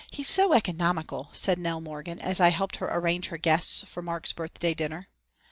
_"] "He's so economical," said Nell Morgan, as I helped her arrange her guests for Mark's birthday dinner.